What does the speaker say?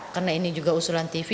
karena ini juga usulan tv